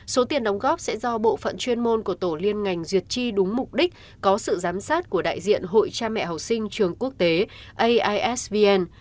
số tiền đóng góp sẽ do bộ phận chuyên môn của tổ liên ngành duyệt chi đúng mục đích có sự giám sát của đại diện hội cha mẹ học sinh trường quốc tế aisvn